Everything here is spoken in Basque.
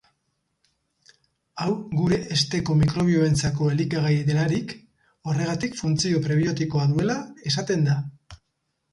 Hau gure hesteko mikrobioentzako elikagai delarik, horregatik funtzio prebiotikoa duela esaten da.